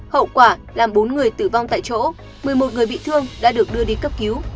hậu quả làm bốn người tử vong tại chỗ một mươi một người bị thương đã được đưa đi cấp cứu